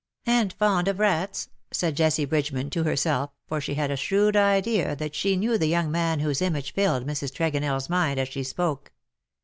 ^^ And fond of rats,'''' said Jessie Bridgeman to herself, for she had a shrewd idea that she knew the young man whose image filled Mrs. Tregonell's mind as she spoke.